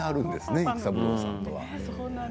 育三郎さんとは。